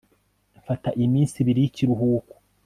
mfata iminsi ibiri y'ikiruhuko